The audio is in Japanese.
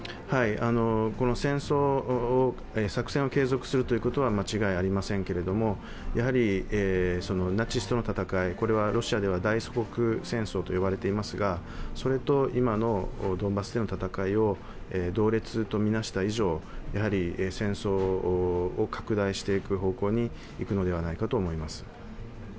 この戦争作戦を継続するのは間違いありませんけど、ナチスとの戦い、これはロシアでは戦争と言われていますけれども、それと今のドンバスでの戦いを同列とみなした以上、戦争を拡大していく方向にいくのではないかと思います。